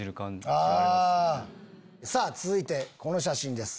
さぁ続いてこの写真です。